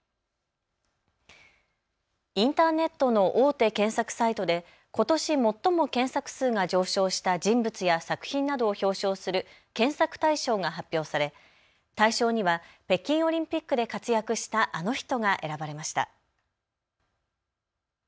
インターネットの大手検索サイトでことし最も検索数が上昇した人物や作品などを表彰する検索大賞が発表され大賞には北京オリンピックで活躍したあの人が選ばれました。